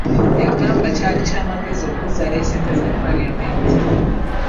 Yagamba kyali kya magezi okuzzaayo ssente za paalamenti.